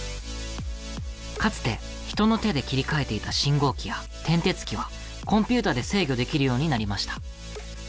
かつて人の手で切り替えていた信号機や転てつ機はコンピューターで制御できるようになりました。